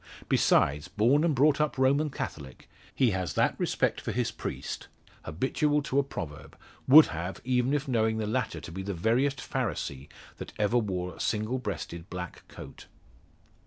Besides, born and brought up Roman Catholic, he has that respect for his priest, habitual to a proverb would have, even if knowing the latter to be the veriest Pharisee that ever wore single breasted black coat.